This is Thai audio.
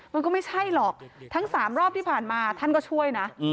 มันก็ไม่ใช่หรอกทั้ง๓รอบที่ผ่านมาท่านก็ช่วยนะ